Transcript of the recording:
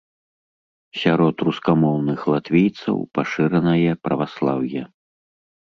Сярод рускамоўных латвійцаў пашыранае праваслаўе.